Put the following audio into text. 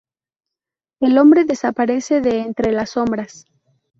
El hombre desaparece de entre las sombras.